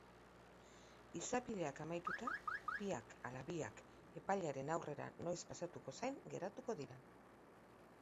Izapideak amaituta, biak ala biak epailearen aurrera noiz pasatuko zain geratu dira.